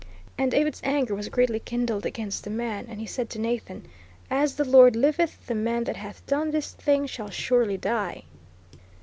"And David's anger was greatly kindled against the man; and he said to Nathan, As the Lord liveth, the man that hath done this thing shall surely die